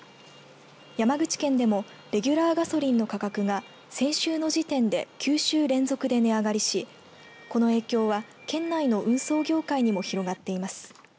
山口県でもレギュラーガソリンの価格が先週の時点で９週連続で値上がりしこの影響は、県内の運送業界にも広がっています。